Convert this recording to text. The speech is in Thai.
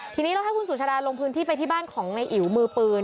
ทีนี้เราให้คุณสุชาดาลงพื้นที่ไปที่บ้านของในอิ๋วมือปืน